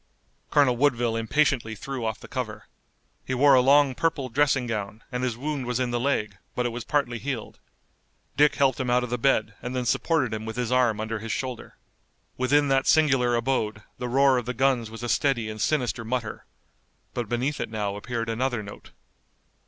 Colonel Woodville impatiently threw off the cover. He wore a long purple dressing gown, and his wound was in the leg, but it was partly healed. Dick helped him out of the bed and then supported him with his arm under his shoulder. Within that singular abode the roar of the guns was a steady and sinister mutter, but beneath it now appeared another note.